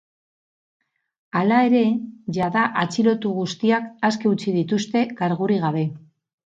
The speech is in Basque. Hala ere, jada atxilotu guztiak aske utzi dituzte, kargurik gabe.